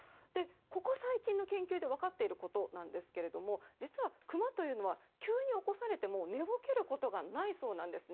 ここ最近の研究で分かっていることなんですが実はクマというのは急に起こされても寝ぼけることがないそうなんです。